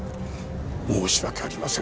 申し訳ありません。